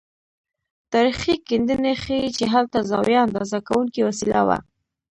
تاریخي کیندنې ښيي چې هلته زاویه اندازه کوونکې وسیله وه.